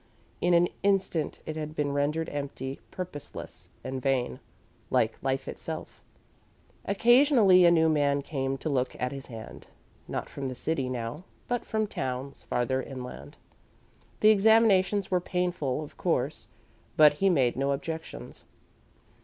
In an instant, it had been rendered empty, purposeless, and vain like life itself. Occasionally a new man came to look at his hand; not from the city now, but from towns farther inland. The examinations were painful, of course, but he made no objections.